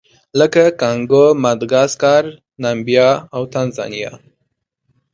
لکه کانګو، ماداګاسکار، نامبیا او تانزانیا.